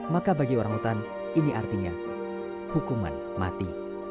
maka bagi orang utan ini artinya hukuman mati